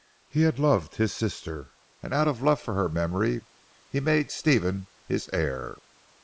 He had loved his sister, and out of love for her memory, he made Stephen his heir.